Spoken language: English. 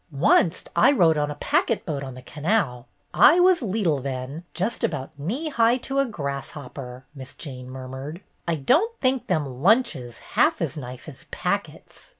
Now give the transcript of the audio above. " Oncet I rode on a packet boat on the canal. I was leetle then, jest about knee high to a grasshopper," Miss Jane murmured. "I don't think them lunches half as nice as packets.